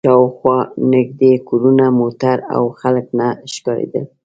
شا و خوا نږدې کورونه، موټر او خلک نه ښکارېدل.